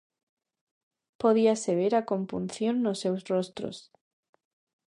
Podíase ver a compunción nos seus rostros.